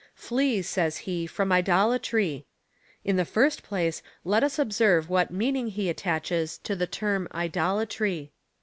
Flee, says he, from idolatrr/. In the first place, let us observe what meaning he attaches to the term Idolatry.